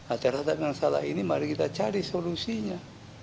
atau terhadap yang salah ini mari kita cari solusinya